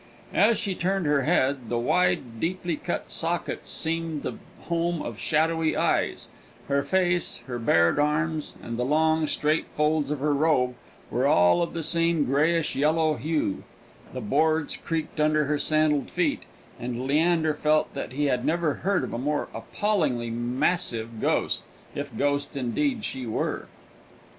As she turned her head, the wide, deeply cut sockets seemed the home of shadowy eyes; her face, her bared arms, and the long straight folds of her robe were all of the same greyish yellow hue; the boards creaked under her sandalled feet, and Leander felt that he had never heard of a more appallingly massive ghost if ghost indeed she were.